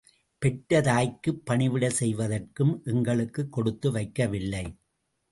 பெற்ற தாய்க்குப் பணிவிடை செய்வதற்கும் எங்களுக்குக் கொடுத்து வைக்கவில்லை.